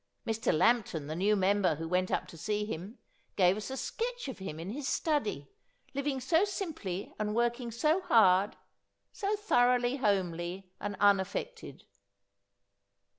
Mr. Lampton, the new member who went up to see him, gave us a sketch of him in his study, living so simply and working so hard, so thoroughly homely and unaffected.'